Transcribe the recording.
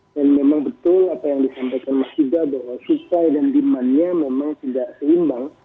dan memang betul apa yang disampaikan mas hida bahwa supaya dan dimannya memang tidak seimbang